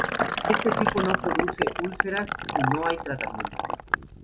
Este tipo no produce úlceras y no hay tratamiento.